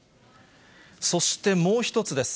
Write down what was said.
そしてもう１つです。